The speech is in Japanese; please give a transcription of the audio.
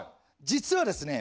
実はですね